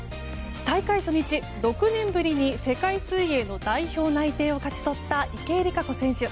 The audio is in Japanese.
大会初日、６年ぶりに世界水泳の代表内定を勝ち取った池江璃花子選手。